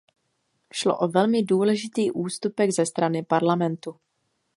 Šlo o velmi důležitý ústupek ze strany Parlamentu.